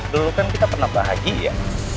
lalu kan kita pernah bahagi ya